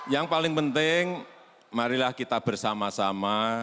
yang paling penting marilah kita bersama sama